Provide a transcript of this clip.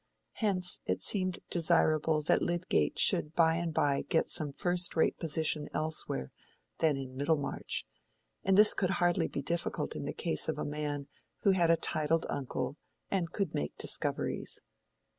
Hence it seemed desirable that Lydgate should by and by get some first rate position elsewhere than in Middlemarch; and this could hardly be difficult in the case of a man who had a titled uncle and could make discoveries.